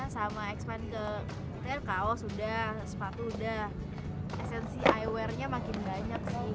sama expand ke kaos udah sepatu udah esensi iwernya makin banyak sih